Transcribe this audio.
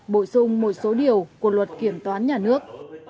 bổ sung một số điều của luật kiểm toán nhà nước